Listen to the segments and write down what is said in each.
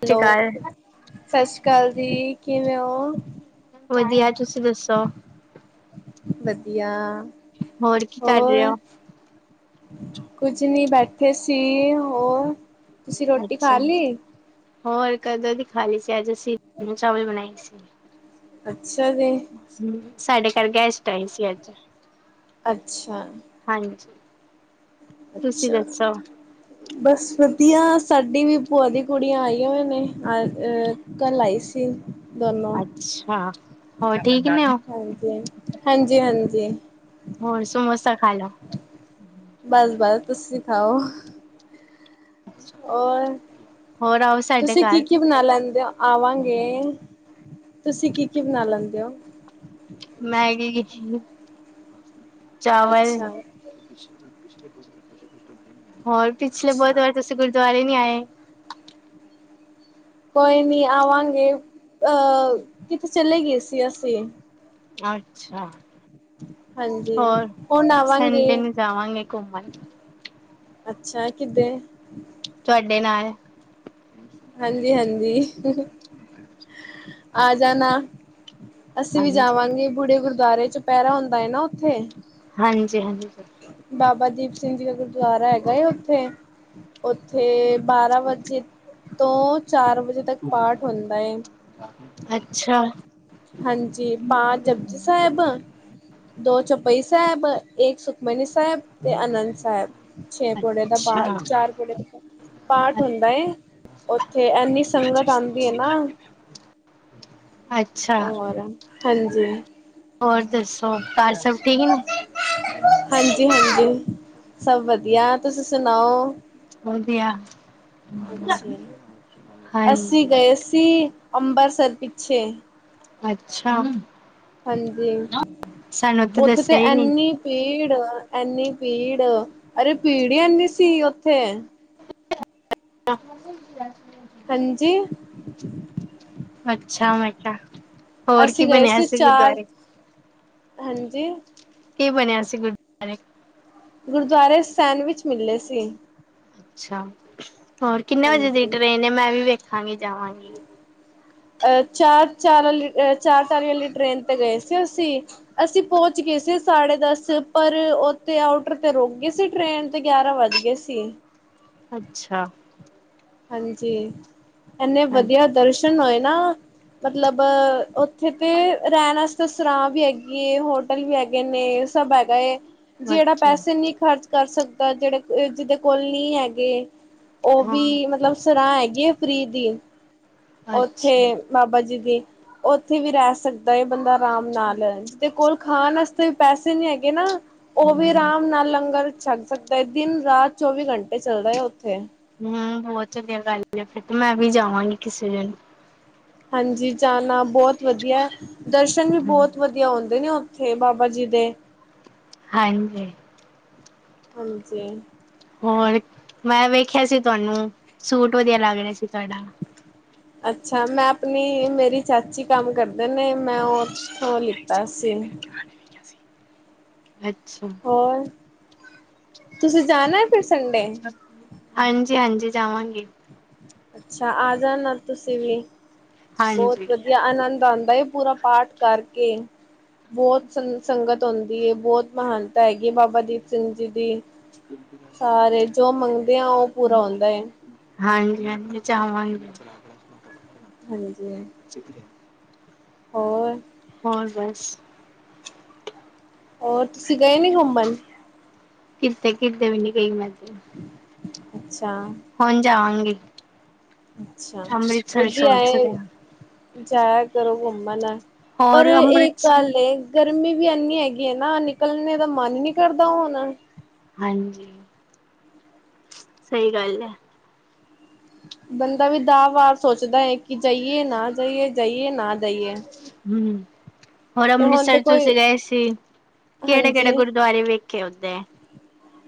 ਸਤਿ ਸ਼੍ਰੀ ਅਕਾਲ ਹੈਲੋ, ਸਤਿ ਸ੍ਰੀ ਅਕਾਲ ਜੀ। ਕਿਵੇਂ ਹੋ? ਵਧੀਆ ਤੁਸੀਂ ਦੱਸੋ? ਵਧੀਆ। ਹੋਰ ਕੀ ਕਰ ਰਹੇ ਹੋ? ਕੁੱਝ ਨਹੀਂ ਬੈਠੇ ਸੀ ਹੋਰ ਤੁਸੀਂ ਰੋਟੀ ਖਾ ਅੱਛਾ ਲਈ? ਹੋਰ ਕਦੋਂ ਦੀ ਖਾ ਲਈ ਸੀ ਅੱਜ ਅਸੀਂ ਚਾਵਲ ਬਣਾਏ ਸੀ। ਅੱਛਾ ਜੀ। ਸਾਡੇ ਘਰ ਗੈਸਟ ਆਏ ਸੀ ਅੱਜ। ਅੱਛਾ। ਹਾਂਜੀ ਤੁਸੀਂ ਅੱਛਾ ਦੱਸੋ ਬਸ ਵਧੀਆ ਸਾਡੀ ਵੀ। ਭੂਆ ਦੀ ਕੁੜੀਆਂ ਆਈਆਂ ਹੋਈਆਂ ਨੇ ਅਹ ਕੱਲ ਆਈ ਸੀ। ਦੋਨੋ ਅੱਛਾ ਹੋਰ ਠੀਕ ਨੇ ਹੋ ਹਾਂਜੀ ਹਾਂਜੀ ਹਾਂਜੀ। ਹੋਰ ਸਮੋਸਾ ਖਾ ਲੋ। ਬਸ ਬਸ ਤੁਸੀਂ ਖਾਓ। ਹੋਰ ਹੋਰ ਆਓ ਸਾਡੇ ਤੁਸੀਂ ਕੀ ਘਰ ਕੀ ਬਣਾ ਲੈਂਦੇ ਓ। ਆਵਾਂਗੇ, ਤੁਸੀਂ ਕੀ ਕੀ ਬਣਾ ਲੈਂਦੇ ਓ? ਮੈਗੀ, ਚਾਵਲ। ਅੱਛਾ, ਹੋਰ ਪਿਛਲੇ ਅੱਛਾ। ਬੁਧਵਾਰ ਤੁਸੀਂ ਗੁਰਦੁਆਰੇ ਨੀ ਆਏ। ਕੋਈ ਨੀ ਆਵਾਂਗੇ, ਅਹ ਕਿਥੇ ਚਲੇ ਗਏ ਸੀ ਅਸੀਂ। ਅੱਛਾ। ਹਾਂਜੀ ਹੋਰ ਹੁਣ ਆਵਾਂਗੇ ਸਂਡੇ ਨੂੰ ਜਾਵਾਂਗੇ ਘੁੰਮਣ। ਅੱਛਾ ਕਿਦੇੇ? ਤੁਹਾਡੇ ਨਾਲ ਹਾਂਜੀ ਹਾਂਜੀ ਆ ਜਾਣਾ। ਅਸੀਂ ਵੀ ਹਾਂਜੀ ਜਾਵਾਂਗੇ ਬੜੇ ਗੁਰਦੁਆਰੇ ਚ ਪਹਿਰਾ ਹੁੰਦਾ ਹੈ ਨਾ ਉੱਥੇ। ਹਾਂਜੀ ਹਾਂਜੀ। ਬਾਬਾ ਦੀਪ ਸਿੰਘ ਜੀ ਦਾ ਗੁਰਦੁਆਰਾ ਹੈਗਾ, ਉੱਥੇ ਉੱਥੇ ਬਾਰਾਂ ਵਜੇ। ਤੋਂ ਚਾਰ ਵਜੇ ਤੱਕ ਪਾਠ ਹੁੰਦਾ ਏ। ਅੱਛਾ ਹਾਂਜੀ ਪਾਚ ਜਪਜੀ ਸਾਹਿਬ, ਦੋ ਚੌਪਈ ਸਾਹਿਬ ਇੱਕ ਸੁਖਮਨੀ ਸਾਹਿਬ। ਸਾਹਿਬ ਤੇ ਆਨੰਦ ਸਾਹਿਬ। ਅੱਛਾ, ਪਾਠ ਹੁੰਦਾ ਏ, ਉੱਥੇ ਇਨੀ ਸੰਗਤ ਅਉਦੀ ਏ ਨਾ। ਅੱਛਾ ਹੋਰ ਹਾਂਜੀ। ਹੋਰ ਦੱਸੋ, ਘਰ ਸਭ ਠੀਕ ਨੇ। ਹਾਂਜੀ, ਹਾਂਜੀ ਸਭ ਵਧੀਆ, ਤੁਸੀਂ ਸੁਣਾਓ? ਵਧੀਆ [inaudible] ਅੱਛਾ, ਅੱਸੀ ਹਾਂਜੀ, ਗਏ ਸੀ। ਅੰਬਰਸਰ ਪਿੱਛੇ। ਅੱਛਾ। ਹਾਂਜੀ ਸਾਨੂੰ ਉੱਥੇ ਤੇ ਦੱਸਿਆ ਹੀ ਨੀ। ਐਨੀ ਭੀੜ। ਇੰਨੀ ਭੀੜ ਅਰੇ ਭੀੜ ਹੀ ਐਨੀ ਸੀ ਓਥੇ। ਹ [inaudible] ਹਾਂਜੀ। ਅੱਛਾ ਮੈਂ ਕਿਹਾ ਹੋਰ ਕੀ ਅਸੀਂ ਗਏ ਬਣਿਆ ਸੀ ਚਾਰ ਗੁਰਦੁਆਰੇ? ਹਾਂਜੀ। ਕੀ ਬਣਿਆ ਸੀ ਗੁਰੁਦਵਾਰੇ? ਗੁਰਦੁਆਰੇ ਸੈਂਡਵਿਚ ਮਿਲੇ ਸੀ। ਅੱਛਾ, ਹੋਰ ਕਿੰਨੇ ਵਜੇ ਦੀ ਹਾਂਜੀ ਟ੍ਰੇਨ ਏ? ਮੈਂ ਵੀ ਵੇਖਾਂਗੀ, ਜਾਵਾਂਗੀ । ਅ ਚਾਰ ਚਾਰ ਚਾਲੀ, ਅ ਚਾਰ ਚਾਰ ਚਾਲੀ ਆਲੀ ਟ੍ਰੇਨ ਤੇ ਗਏ ਸੀ ਅਸੀਂ, ਅਸੀਂ ਪਹੁੰਚ ਗਏ। ਅਸੀ ਸਾਢੇ ਦਸ ਪਰ ਉੱਥੇ ਆਊਟਰ ਤੇ ਰੁਕ ਗਈ ਸੀ ਟ੍ਰੇਨ ਤੇ ਗਿਆਰਾਂ ਵੱਜ ਗਏ ਸੀ। ਅੱਛਾ ਹਾਂਜੀ ਇਨੇ ਹਾਂਜੀ, ਵਧੀਆ ਦਰਸ਼ਨ ਹੋਏ ਨਾ ਮਤਲਬ ਉੱਥੇ ਤੇ ਰਹਿਣ ਆਸਤੇ ਸਰਾਂ ਵੀ ਹੈਗੀ, ਹੋਟਲ ਵੀ ਹੈਗੇ ਨੇ। ਇਹ ਸਭ ਹੈਗਾ ਏ। ਜਿਹੜਾ ਅੱਛਾ ਪੈਸੇ ਨਹੀਂ ਖਰਚ ਕਰ ਸਕਦਾ, ਜਿਹੜੇ ਜਿਹਦੇ ਕੋਲ ਨਹੀਂ ਹੈਗੇ ਉਹ ਵੀ ਹਾਂ। ਮਤਲਬ ਸਰਾਹ ਹੈਗੀ ਆ ਫਰਿ ਦੀ। ਉੱਥੇ ਅੱਛਾ, ਬਾਬਾ ਜੀ ਦੀ ਉੱਥੇ ਵੀ ਰਹਿ ਸਕਦੇ ਬੰਦਾ ਆਰਾਮ ਨਾਲ ਜਿਹਦੇ ਕੋਲ ਖਾਣ ਆਸਤੇ ਪੈਸੇ ਨੀ ਹੈਗੇ ਨਾ ਉਹ ਵੀ ਆਰਾਮ ਨਾਲ ਲੰਗਰ ਛੱਗ ਸਕਦਾ ਹੈ ਦਿਨ ਰਾਤ ਚੌਵੀ ਘੰਟੇ ਚੱਲਦਾ ਹੈ ਉੱਥੇ। ਹੂੰ ਬਹੁਤ ਵਧੀਆ ਗੱਲ ਐ, ਫਿਰ ਤੇ ਮੈਂ ਵੀ ਜਾਵਾਂਗੀ ਕਿਸੇ ਦਿਨ। ਹਾਂਜੀ, ਜਾਣਾ ਬਹੁਤ ਵਧੀਆ, ਦਰਸ਼ਨ ਵੀ ਬਹੁਤ ਵਧੀਆ ਹੋਂਦੇ ਨੇ ਓ ਥੇ ਬਾਬਾ ਜੀ ਦੇ। ਹਾਂਜੀ। ਹਾਂਜੀ ਹੋਰ ਮੈਂ ਵੇਖਿਆ ਸੀ ਤੁਹਾਨੂੰ ਸੂਟ ਵਧੀਆ ਲੱਗ ਰਿਹਾ ਸੀ ਤੁਹਾਡਾ ਅੱਛਾ ਮੈਂ ਆਪਣੀ ਮੇਰੀ ਚਾਚੀ ਕੰਮ ਕਰਦੇ ਨੇ ਮੈਂ ਉਥੋਂ ਲਿ ਅਸੇ ਅੱਛਾ ਤੁਸੀਂ ਜਾਣਾ ਹੈ ਫਿਰ ਸੰਡੇ ਜ ਹਾਂਜੀ ਜਾਵਾਂਗੇ ਅੱਛਾ ਆ ਜਾਣਾ ਤੁਸੀਂ ਵੀ ਹਾਂਜੀ ਬਹੁਤ ਵਧੀਆ ਆਨੰਦ ਆਉਂਦਾ ਫੇਰ ਪੂਰਾ ਪਾਠ ਕਰਕੇ ਬਹੁਤ ਸੰਗਤ ਆਉਂਦੀ ਹੈ ਬਹੁਤ ਮਹਾਨ ਹੈਗੀ ਬਾਬਾ ਦੀਪ ਸਿੰਘ ਜੀ ਦੀ ਸਾਰੇ ਜੋ ਮੰਗ ਦੇ ਹ ਉਹ ਪੂਰਾ ਹੁੰਦਾ ਚਾਵਾਂਗੇ ਹਾਂਜੀ ਹੋਰ ਹੋਰ ਬਸ ਉਹ ਤੁਸੀਂ ਗਏ ਨੀ ਘੁੰਮਣ ਕਿਰਤ ਕਿਰਤ ਮੈੇ ਕਈ ਮਜ਼ ਅੱਛਾ ਹੁਣ ਜਾਵਾਂਗੇ ਅੱਛਾ ਵਧੀ ਆਏ ਰਿਹਾ ਜਾਇਆ ਕਰੋ ਘੁੰਮਣ ਨਾਲ ਪਰ ਹੋਰ ਇਹ ਇੱਕ ਅੰਮ੍ਰਿਤ ਗੱਲ ਗਰਮੀ ਵੀ ਇੰਨੀ ਹੈਗੀ ਹੈ ਨਾ ਨਿਕਲਣੇ ਦਾ ਮਨ ਹੀ ਨੀ ਕਰਦਾ ਹੁਣ ਹਾਂਜੀ ਸਹੀ ਗੱਲ ਹੈ ਬੰਦਾ ਵੀ ਦਾ ਵਾਰ ਸੋਚਦਾ ਹੈ ਕਿ ਜਾਈਏ ਨਾ ਜਾਈਏ ਜਾਈਏ ਨਾ ਜਾਈਏ ਹਮ ਹੋਰ ਤੇ ਹੁਣ ਤੇ ਅੰਮ੍ਰਿਤਸਰ ਚ ਅਸੀਂ ਕੋਈ ਗਏ ਸੀ ਕਿਹੜੇ ਕਿਹੜੇ ਹਾਂਜੀ ਗੁਰਦੁਆਰੇ ਵੇਖੇ ਉਓਦੇ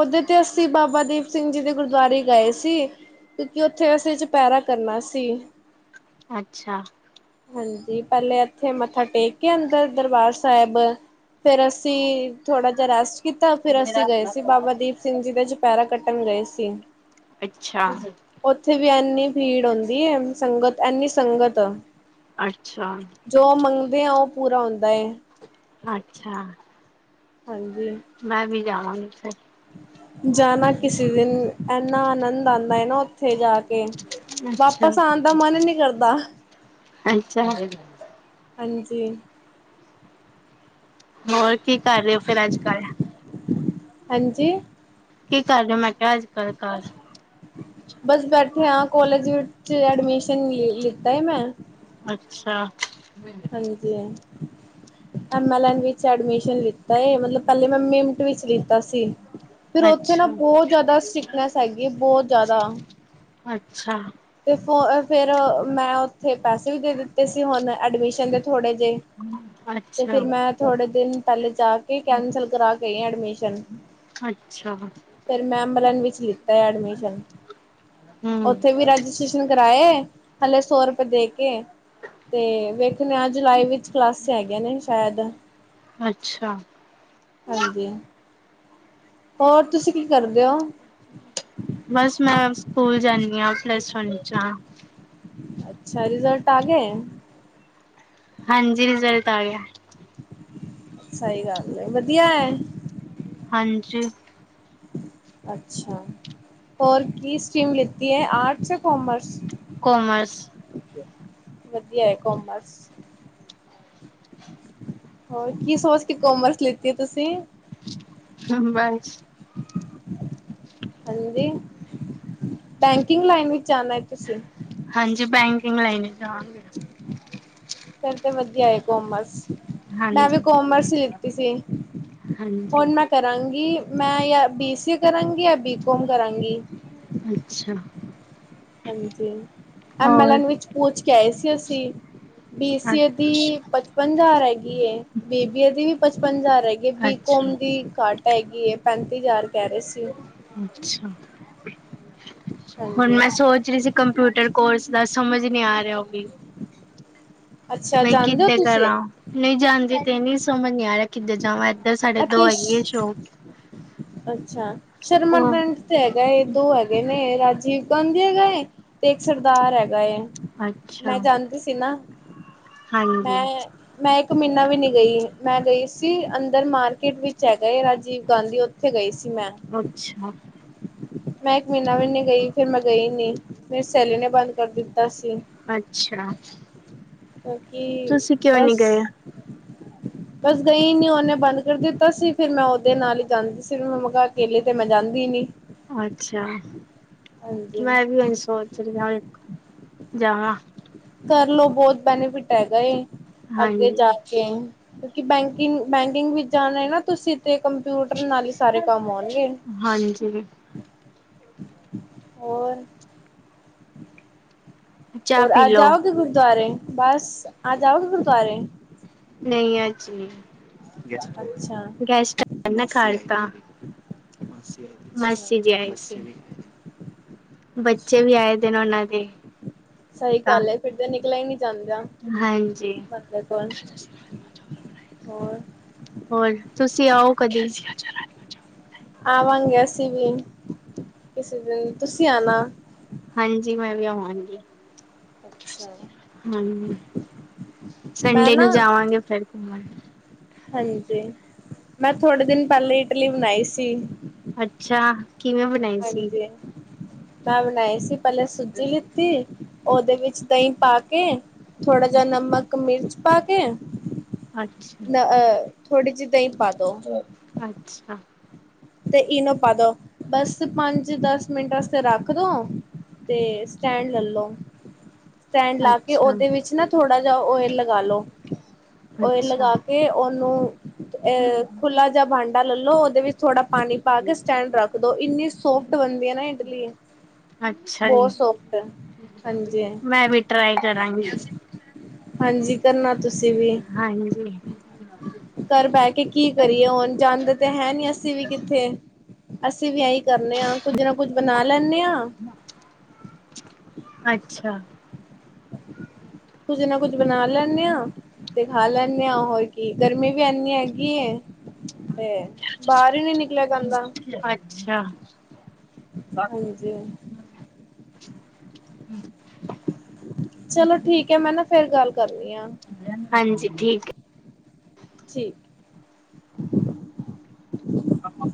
ਓਦੇ ਤੇ ਅਸੀਂ ਬਾਬਾ ਦੀਪ ਸਿੰਘ ਜੀ ਦੇ ਗੁਰਦੁਆਰੇ ਗਏ ਸੀ ਕਿਉਂਕਿ ਉੱਥੇ ਅਸੀਂ ਚਓਪਹਿਰਾ ਕਰਨਾ ਸੀ ਅੱਛਾ ਹਾਂਜੀ ਪਹਿਲੇ ਇੱਥੇ ਮੱਥਾ ਟੇਕ ਕੇ ਅੰਦਰ ਦਰਬਾਰ ਸਾਹਿਬ ਫੇਰ ਅਸੀਂ ਥੋੜਾ ਜਿਹਾ ਰੈਸਟ ਕਿ ਕੀਤਾ ਫਿਰ ਅਸੀਂ ਗਏ ਸੀ ਬਾਬਾ ਦੀਪ ਸਿੰਘ ਜੀ ਦਾ ਚੁਪਹਿਰਾ ਕੱਟਣ ਗਏ ਸੀ ਅੱਛਾ ਉੱਥੇ ਵੀ ਇੰਨੀ ਭੀੜ ਆਉਂਦੀ ਹੈ ਸੰਗਤ ਇੰਨੀ ਸੰਗਤ ਅੱਛਾ ਜੋ ਮੰਗਦੇ ਆ ਉਹ ਪੂਰਾ ਹੁੰਦਾ ਹੈ ਅੱਛਾ ਹਾਂਜੀ [inaudible] ਜਾਣਾ ਕਿਸੇ ਦਿਨ ਇੰਨਾ ਆਨੰਦ ਆਉਂਦਾ ਹੈ ਨਾ ਉੱਥੇ ਜਾ ਕੇ ਅੱਛਾ ਵਾਪਸ ਆਉਣ ਦਾ ਮਨ ਨਹੀਂ ਕਰਦਾ। ਅੱਛਾ ਹਾਂਜੀ ਹੋਰ ਕੀ ਕਰ ਰਹੇ ਹੋ ਫਿਰ ਅੱਜ ਕੱਲ ਹਾਂਜੀ। ਕੀ ਕਰ ਰਹੇ ਹੋ ਮੈਂ ਕਿਹਾ ਅੱਜ ਕੱਲ ਘਰ ਬਸ ਬੈਠੇ ਹ ਕੋਲਜ 'ਚ ਐਡਮਿਸ਼ਨ ਲਿੱਤਾ ਹੈ ਮੈਂ ਅੱਛਾ ਹਾਂਜੀ ਐਮ ਏਲ ਐਨ ਵਿੱਚ ਐਡਮਿਸ਼ਨ ਲਿੱਤਾ ਹੈ ਮਤਲਬ ਪਹਿਲੇ ਮ ਟਵ ਲਿੱਤਾ ਸੀ। ਫਿਰ ਉੱਥੇ ਨਾ ਅੱਛਾ ਬਹੁਤ ਜ਼ਿਆਦਾ ਸਟ੍ਰਿਕਨੈਸ ਹੈਗੀ ਬਹੁਤ ਜ਼ਿਆਦਾ ਅੱਛਾ ਤੇ ਫ ਫਿਰ ਮੈਂ ਉੱਥੇ ਪੈਸੇ ਵੀ ਦੇ ਦਿੱਤੇ ਸੀ ਹੁਣ ਐਡਮਿਸ਼ਨ ਦੇ ਥੋੜੇ ਜ ਤੇ ਅੱਛਾ ਫਿਰ ਮੈਂ ਥੋੜੇ ਦਿਨ ਪਹਿਲੇ ਜਾ ਕੇ ਕੈਂਸਲ ਕਰਾ ਕੇ ਐਡਮਿਸ਼ਨ ਅੱਛਾ ਫਿਰ ਮੈਂ ਅਬਲਨ ਵਿੱਚ ਲਿੱਤਾ ਹੈ ਐਡਮਿਸ਼ਨ ਹਮ ਉੱਥੇ ਵੀ ਰਜਿਸਟ੍ਰੇਸ਼ਨ ਕਰਵਾਏ ਹਲੇ ਸੌ ਰੁਪਏ ਦੇ ਕੇ ਤੇ ਵੇਖਣੇ ਜੁਲਾਈ ਵਿੱਚ ਕਲਾਸ ਹੈਗੀਆਂ ਨੇ ਸ਼ਾਇਦ ਅੱਛਾ ਹਾਂਜੀ ਹੋਰ ਤੁਸੀਂ ਕੀ ਕਰਦੇ ਹੋ? ਬਸ ਮੈਂ ਸਕੂਲ ਜਾਂਦੀ ਹਾਂ ਪਲੱਸ ਵਨ ਹੋਣੀ 'ਚ ਹਾਂ। ਅੱਛਾ ਰਿਜ਼ਲਟ ਆ ਗਏ। ਹਾਂਜੀ ਰਿਜ਼ਲਟ ਆ ਗਿਆ। ਸਹੀ ਗੱਲ ਹੈ ਵਧੀਆ ਐ। ਹਾਂਜੀ ਅੱਛਾ ਹੋਰ ਕੀ ਸਟ੍ਰਰੀਮ ਲੀਤੀ ਹੈ ਆਰਟਸ ਜਾਂ ਕਮਰਸ ਕੋਮਰਸ ਵਧੀਆ ਹੈ ਕੋਮਰਸ ਹੋਰ ਕੀ ਸੋਚ ਕੇ ਕੋਮਰਸ ਲਿੱਤੀ ਹੈ ਤੁਸੀਂ ਬਸ ਹਾਂਜੀ ਬੈਂਕਿੰਗ ਲਾਈਨ ਵਿੱਚ ਜਾਣਾ ਹੈ ਤੁਸੀਂ ਹਾਂਜੀ ਬੈਂਕਿੰਗ ਲਾਈਨ ਜਾਣਗੇ। ਫਿਰ ਤੇ ਵਧੀਆ ਹੈ ਕੋਮਰਸ ਮੈਂ ਵੀ ਹਾਂਜੀ ਕੋਮਰਸ ਲਿੱਤੀ ਸੀ ਹਾਂਜੀ ਹੁਣ ਮੈਂ ਕਰਾਂਗੀ। ਮੈਂ ਯ ਬੀ ਸੀ ਏ ਕਰਾਂਗੀ ਜਾਂ ਬੀ ਕੋੌਮ ਕਰਾਂਗੀ। ਅੱਛਾ ਹਾਂਜੀ ਐਮ ਐਲ ਹੋਰ ਐਨ ਵਿੱਚ ਪੂਚ ਕੇ ਆਏ ਸੀ ਅਸੀਂ ਬੀ ਸੀਏ ਦੀ ਅੱਛਾ ਪਚਪਨ ਹਜ਼ਾਰ ਹੈਗੀ ਏ ਬੀਬੀਏ ਦੀ ਵੀ ਪਚਪਨ ਹਜ਼ਾਰ ਹੈਗੀ ਬੀਕੋ ਅੱਛਾ ਖੂਨ ਦੀ ਘਾਟ ਹੈਗੀ ਹੈ ਪੈਂਤੀ ਹਜ਼ਾਰ ਕਹਿ ਰਹੇ ਸੀ। ਅੱਛਾ ਹੁਣ ਹਾਂਜੀ ਮੈਂ ਸੋਚ ਰਹੀ ਸੀ ਕੰਪਿਊਟਰ ਕੋਰਸ ਦਾ ਸਮਝ ਨਹੀ ਆ ਰਿਹਾ ਉਹ ਵੀ ਅੱਛਾ ਬਈ ਜਾਣਦੇ ਹੋ ਕਿੱਦਾਂ ਤੁਸੀਂ ਕਰਾਂ ਨਹੀਂ ਜਾਂਦੀ ਤੇ ਨੀ ਸਮਝ ਨੀ ਆ ਰਿਹਾ ਕਿੱਦਾਂ ਜਾਵਾਂ ਧਰ ਸਾਡੇ ਦੋ ਅਤੇ ਹੈਗੀ ਸ਼ੋਕ ਅੱਛਾ ਸ਼ਰਮਾ ਪਿ੍ੰਟ ਤੇ ਹੈਗਾ ਇਹ ਦੋ ਹੈਗੇ ਨੇ ਰਾਜੀਵ ਗਾਂਧੀ ਹੈਗਾ ਹੈ ਤੇ ਇੱਕ ਸਰਦਾਰ ਹੈਗਾ ਅੱਛਾ ਮੈਂ ਜਾਣਦੀ ਸੀ ਨਾ। ਮੈਂ ਹਾਂਜੀ -ਮੈਂ ਇੱਕ ਮਹੀਨਾ ਵੀ ਨਹੀ ਗਈ ਮੈਂ ਗਈ ਸੀ ਅੰਦਰ ਮਾਰਕੀਟ ਵਿੱਚ ਹੈਗਾਏ ਰਾਜੀਵ ਗਾਂਧੀ ਉੱਥੇ ਗਏ ਸੀ। ਮੈਂ ਅੱਛਾ ਮੈਂ ਇੱਕ ਮਹੀਨਾ ਵੀ ਨਹੀਂ ਗਈ ਫਿਰ ਮੈਂ ਗਈ ਨੀ ਮੇਰੀ ਸਹੇਲੀ ਨੇ ਬੰਦ ਕਰ ਦਿੱਤਾ ਸੀ। ਅੱਛਾ ਕਿਉਂਕਿ ਤੁਸੀਂ ਕਿਉਂ ਨੀ ਬਸ ਗਏ। ਬਸ ਗਈ ਨੀ ਉਹਨੇ ਬੰਦ ਕਰ ਦਿੱਤਾ ਸੀ ਫਿਰ ਮੈਂ ਉਹਦੇ ਨਾਲ ਹੀ ਜਾਂਦੀ ਸੀ ਫ ਮੈਂ ਕੱਲੀ ਤੇ ਮੈਂ ਜਾਂਦੀ ਨੀ। ਅੱਛਾ ਹਾਂਜੀ ਮੈਂ ਵੀ ਹ ਸੋਚ ਰਹੀ ਹ ਇੱਕ ਜਾਵਾਂ। ਕਰਲਓ ਬਹੁਤ ਬੈਨੀਫਿਟ ਹੈਗਾ ਏ ਅੱਗੇ ਹਾਂਜੀ ਜਾ ਕੇ ਕਿਉਂਕਿ ਬੈਂਕਿੰਗ ਬੈਂਕ। ਦਿਨ ਵਿੱਚ ਜਾਣਾ ਨਾ ਤੁਸੀਂ। ਤੇ ਕੰਪਿਊਟਰ ਨਾਲ ਹੀ ਸਾਰੇ ਕੰਮ ਹੋਣਗੇ। ਹਾਂਜੀ ਹੋਰ ਚਾਹ ਹੋਰ ਪੀ ਅੱਜ ਲਓ ਜਾਓਗੇ ਗੁਰਦੁਆਰੇ ਬਸ ਅੱਜ ਆਓਗੇ ਗੁਰਦੁਆਰੇ? ਨਹੀਂ ਅੱਜ ਨੀ। ਅੱਛਾ ਗੈਸਟ ਕੱਲ ਤਾ। ਅੱਛਾ ਮਾਸੀ ਜੀ ਆਏ ਸੀ। ਬੱਚੇ ਅੱਛਾ ਵੀ ਆਏ ਦੇ ਨੇ ਉਹਨਾਂ ਦੇ ਸਹੀ ਤਾਂ। ਗੱਲ ਹੈ ਫਿਰ ਤੇ ਨਿਕਲਿਆ ਹੀ ਨਹੀਂ ਜਾਂਦਾ ਹਾਂਜੀ। ਬੰਦੇ ਕੋਲ ਹੋਰ? ਹੋਰ ਤੁਸੀਂ ਆਓ ਕਦੇ? ਆਵਾਂਗੇ ਅਸੀਂ ਵੀ ਕਿਸੇ ਦਿਨ ਤੁਸੀਂ ਆਣਾ। ਹਾਂਜੀ ਮੈਂ ਵੀ ਆਵਾਂਗੀ। ਅੱਛਾ। ਹਮ ਮੈਂ ਸੰਡੇ ਨੂੰ ਨਾ ਜਾਵਾਂਗੇ ਫਿਰ। ਹਾਂਜੀ ਮੈਂ ਥੋੜੇ ਦਿਨ ਪਹਿਲੇ ਇਡਲੀ ਬਣਾਈ ਸੀ। ਅੱਛਾ ਕਿਵੇਂ ਬਣਾਈ ਸੀ। ਹਾਂਜੀ ਮੈਂ ਬਣਾਈ ਸੀ ਪਹਿਲੇ ਸੂਜੀ ਲਿੱਤੀ ਉਹਦੇ ਵਿੱਚ ਦਹੀਂ ਪਾ ਕੇ। ਥੋੜਾ ਜਿਹਾ ਨਮਕ ਮਿਰਚ ਪਾ ਕੇ। ਅੱਛਾ ਥੋੜੀ ਜਿਹੀ ਦਹੀਂ ਹੀ ਪਾ ਦੋ। ਅੱਛਾ ਤੇ ਇਹਨੂੰ ਪਾ ਦੋ ਬਸ ਪੰਜ ਦਸ ਮਿੰਟ ਵਸਤੇ ਰੱਖ ਦਿਉ। ਤੇ ਸਟੈਂਡ ਲੈਲੋ। ਸਟੈਂਡ ਲਾ ਕੇ ਅੱਛਾ ਉਹਦੇ ਵਿੱਚ ਨਾ ਥੋੜਾ ਜ ਓਇਲ ਲਗਾ ਲੋ ਓਇਲ ਅੱਛਾ ਲਗਾ ਕੇ। ਨੂੰ ਖੁੱਲਾ ਜਿਹਾ ਭਾਂਡਾ ਲੈਲੋ ਉਹਦੇ ਵਿੱਚ ਥੋੜਾ ਪਾਣੀ ਪਾ ਕੇ ਸਟੈਂਡ ਰੱਖ ਦੋ ਇੰਨੀ ਸੋਫਟ ਬਣਦੀ ਆ ਨਾ ਇਡਲੀ। ਅੱਛਾ ਜੀ, ਬਹੁਤ ਸੋਫਟ ਹਾਂਜੀ ਮੈਂ ਵੀ ਟਰਾਈ ਕਰਾਂਗੀ। ਹਾਂਜੀ ਕਰਨਾ ਤੁਸੀਂ ਵੀ। ਘਰ ਬਹਿ ਕੇ ਕੀ ਕਰੀਏ ਹੁਣ ਜਾਂਦੇ ਤੇ ਹੈ ਨੀ ਅਸੀਂ ਵੀ ਕਿੱਥੇ ਅਸੀਂ। ਅਸੀਂ ਵੀ ਆਹੀ ਕਰਨੇ ਹਾਂ ਕੁੱਝ ਨਾ ਕੁੱਝ ਬਣਾ ਲੈਂਨੇ ਹਾਂ। ਅੱਛਾ। ਕੁੱਝ ਨਾ ਕੁੱਝ ਬਣਾ ਲੈਂਨੇ ਹਾਂ ਤੇ। ਖਾ ਲੈਂਨੇ ਹਾਂ ਹੋਰ ਕੀ ਗਰਮੀ ਵੀ ਇਨੀ ਹੈਗੀ ਏ ਤੇ। ਬਾਹਰ ਹੀ ਨੀ ਨਿਕਲਿਆ ਜਾਂਦਾ। ਅੱਛਾ ਹਾਂਜੀ। ਹਮ ਚਲੋ ਠੀਕ ਹੈ, ਮੈਂ ਨਾ ਫੇਰ ਗੱਲ। ਕਰਨੀ ਆ, ਹਾਂਜੀ ਠੀਕ। ਠੀਕ। ਹਾਂ ਹਾਂ।